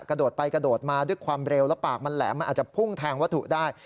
กระโดดไปกระโดดมาด้วยความเร็วแล้วปากมันแหลมมันอาจจะพุ่งแทงวัตถุได้